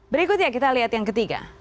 berikutnya kita lihat yang ketiga